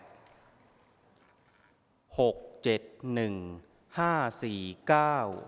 หกเจ็ดหนึ่งห้าสี่เก้า